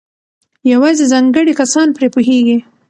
یوازې ځانګړي کسان پرې پوهېږي.